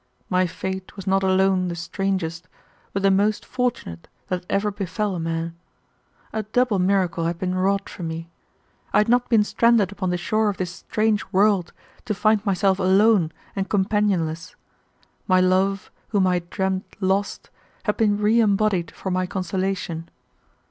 My fate was not alone the strangest, but the most fortunate that ever befell a man. A double miracle had been wrought for me. I had not been stranded upon the shore of this strange world to find myself alone and companionless. My love, whom I had dreamed lost, had been reembodied for my consolation.